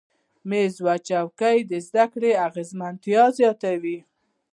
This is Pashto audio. میز او چوکۍ د زده کړې اغیزمنتیا زیاتوي.